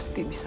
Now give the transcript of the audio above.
aku tidak bisa